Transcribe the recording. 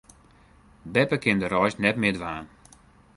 Beppe kin de reis net mear dwaan.